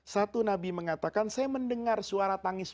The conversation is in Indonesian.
satu nabi mengatakan saya mendengar suara tanpa alat